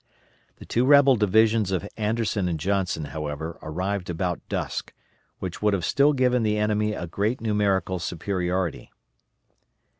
The two rebel divisions of Anderson and Johnson, however, arrived about dusk, which would have still given the enemy a great numerical superiority.